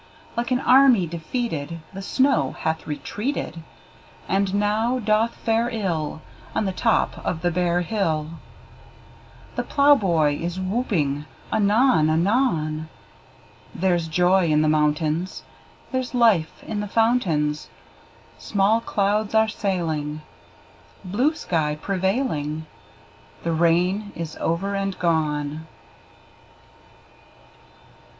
Like an army defeated The snow hath retreated, And now doth fare ill On the top of the bare hill; The plowboy is whooping anon anon: There's joy in the mountains; There's life in the fountains; Small clouds are sailing, Blue sky prevailing; The rain is over and gone!